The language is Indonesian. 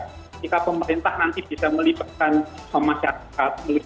ketika pemerintah nanti bisa melibatkan masyarakat